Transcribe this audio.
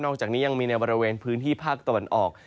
จากนี้ยังมีในบริเวณพื้นที่ภาคตะวันออก